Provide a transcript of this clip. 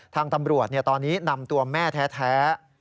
ทางตำรวจตอนนี้นำตัวแม่แท้